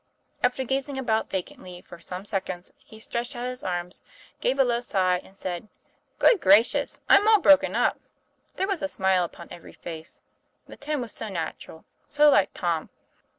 After gazing about vacantly for some seconds, he stretched out his arms, gave a low sigh, and said, ' Good gracious! I'm all broken up!" There was a smile upon every face; the tone was so natural, so like Tom.